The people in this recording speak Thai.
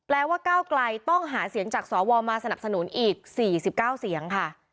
ว่าก้าวไกลต้องหาเสียงจากสวมาสนับสนุนอีก๔๙เสียงค่ะ